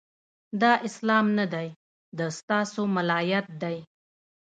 دا اسلام نه دی، د ستا سو ملایت دی